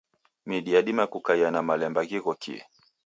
Midi yadima kukaia na malemba ghighokie.